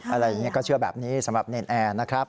อะไรอย่างนี้ก็เชื่อแบบนี้สำหรับเนรนแอร์นะครับ